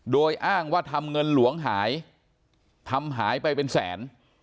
โดยอ้างว่าทำเงินหลวงหายทำหายไปเป็นแสน